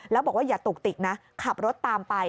แล้วบอกว่าอย่าตุกติกนะขับรถตามไป